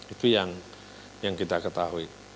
itu yang kita ketahui